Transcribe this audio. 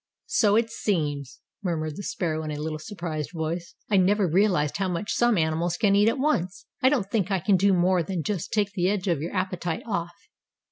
"So it seems," murmured the sparrow in a little surprised voice. "I never realized how much some animals can eat at once. I don't think I can do more than just take the edge of your appetite off."